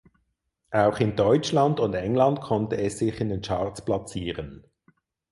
Auch in Deutschland und England konnte es sich in den Charts platzieren.